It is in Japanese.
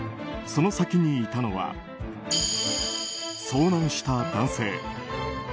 その先にいたのは、遭難した男性。